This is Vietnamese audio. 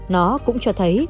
nó cũng cho thấy